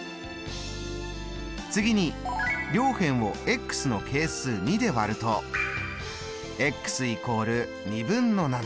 次に両辺をの係数２で割ると＝。